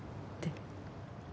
って。